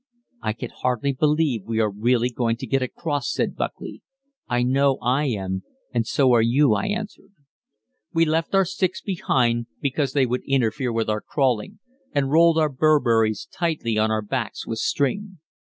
"I can hardly believe we are really going to get across," said Buckley. "I know I am, and so are you," I answered. We left our sticks behind, because they would interfere with our crawling, and rolled our Burberrys tightly on our backs with string.